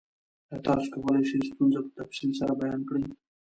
ایا تاسو کولی شئ ستونزه په تفصیل سره بیان کړئ؟